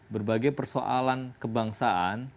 berbagai persoalan kebangsaan